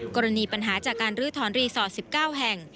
กรณีปัญหาจากการลื้อถอนรีสอร์ท๑๙แห่ง